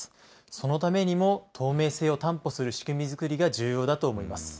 そのためにも透明性を担保する仕組み作りが重要だと思います。